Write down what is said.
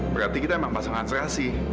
berarti kita emang pasangan sehasi ya kan